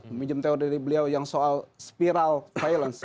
meminjam teori dari beliau yang soal spiral violence